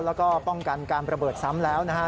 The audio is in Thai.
แล้วก็ป้องกันการระเบิดซ้ำแล้วนะฮะ